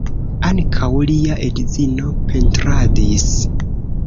Ankaŭ lia edzino pentradis.